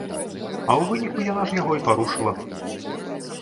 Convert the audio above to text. А ў выніку яна ж яго і парушыла.